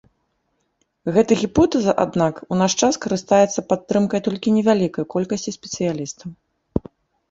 Гэта гіпотэза, аднак, у наш час карыстаецца падтрымкай толькі невялікай колькасці спецыялістаў.